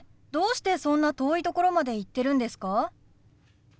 どうしてそんな遠い所まで行ってるんですか？